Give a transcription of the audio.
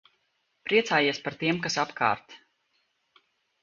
Priecājies par tiem, kas apkārt.